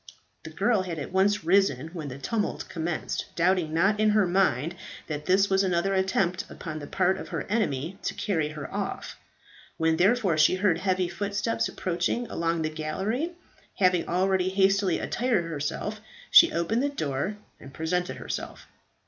The girl had at once risen when the tumult commenced, doubting not in her mind that this was another attempt upon the part of her enemy to carry her off. When, therefore, she heard heavy footsteps approaching along the gallery having already hastily attired herself she opened the door and presented herself.